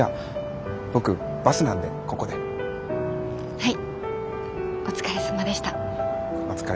はい。